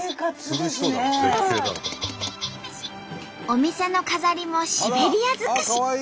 お店の飾りもシベリア尽くし！